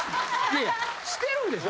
いやしてるんでしょ？